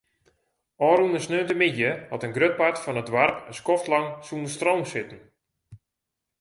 Ofrûne sneontemiddei hat in grut part fan it doarp in skoftlang sonder stroom sitten.